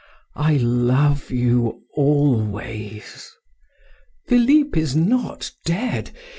I love you always. Philip is not dead.